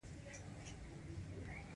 نو په یوه خبره هر جوړښت غیر عادلانه دی.